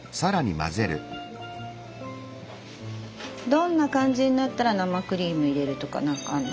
どんな感じになったら生クリーム入れるとか何かあるの？